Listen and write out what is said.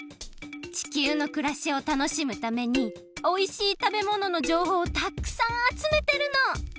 地球のくらしを楽しむためにおいしい食べもののじょうほうをたっくさんあつめてるの！